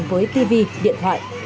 với tv điện thoại